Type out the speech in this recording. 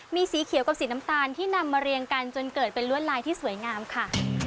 มีสีเขียวกับสีน้ำตาลที่นำมาเรียงกันจนเกิดเป็นลวดลายที่สวยงามค่ะ